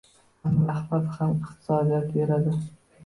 Ham ragʻbat, ham iqtisodiyot yuradi.